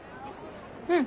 うん。